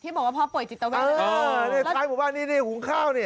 ที่บอกว่าพ่อป่วยจิตเวชอ๋อท้ายหมู่บ้านนี่หุงข้าวนี่